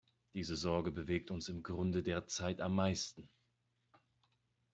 Diese Sorge bewegt uns im Grunde derzeit am meisten.